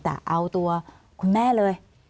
แต่เอาตัวคุณแม่เลย